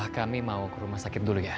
kami mau ke rumah sakit dulu ya